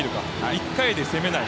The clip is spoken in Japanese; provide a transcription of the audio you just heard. １回で攻めない。